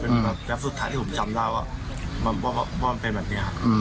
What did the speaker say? เป็นแบบสุดท้ายที่ผมจำได้ว่ามันเป็นแบบนี้ครับ